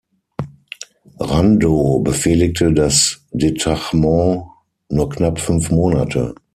Randow befehligte das Detachement nur knapp fünf Monate.